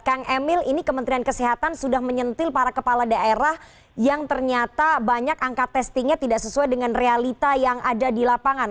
kang emil ini kementerian kesehatan sudah menyentil para kepala daerah yang ternyata banyak angka testingnya tidak sesuai dengan realita yang ada di lapangan